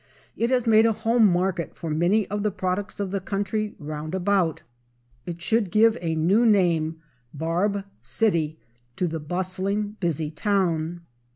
It has made a home market for many of the products of the country 'round about. It should give a new name, "Barb City," to the bustling, busy town.